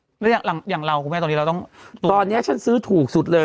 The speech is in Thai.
แล้วอย่างเราคุณแม่ตอนนี้เราต้องตอนนี้ฉันซื้อถูกสุดเลย